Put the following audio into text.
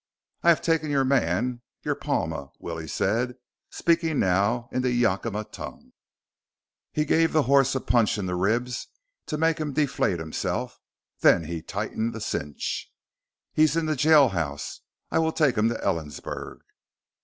"I have taken your man, your Palma," Willie said, speaking now in the Yakima tongue. He gave the horse a punch in the ribs to make him deflate himself, then he tightened the cinch. "He is in the jailhouse. I will take him to Ellensburg."